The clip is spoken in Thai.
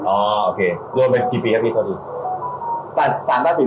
อ๋อโอเคโลดไหมปีให้พี่โทษดี